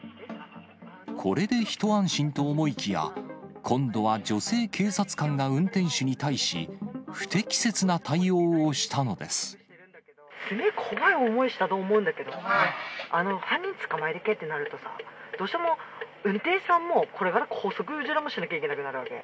これで一安心と思いきや、今度は女性警察官が運転手に対し、すごい怖い思いをしたと思うんだけど、犯人を捕まえてとなるとさ、どうしても運転手さんもこれから拘束しなきゃいけなくなるわけ。